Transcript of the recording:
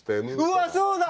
うわそうだ！